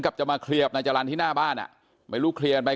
จะมาเคลียร์กับนายจรรย์ที่หน้าบ้านอ่ะไม่รู้เคลียร์กันไป